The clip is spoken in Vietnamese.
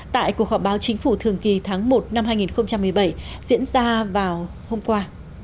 tại cuộc họp báo chính phủ thường kỳ tháng một năm hai nghìn một mươi bảy diễn ra vào hôm qua